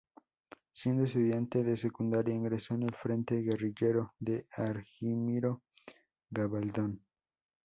Siendo estudiante de secundaria, ingresó en el frente guerrillero de Argimiro Gabaldón.